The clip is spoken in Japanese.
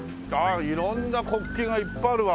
色んな国旗がいっぱいあるわ。